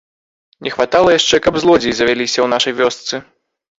Не хватала яшчэ, каб злодзеі завяліся ў нашай вёсцы.